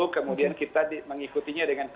kemudian kita mengikutinya dengan